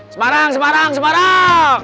semarang semarang semarang